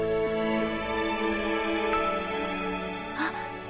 あっ。